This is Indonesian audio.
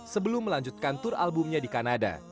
sebelum melanjutkan tur albumnya di kanada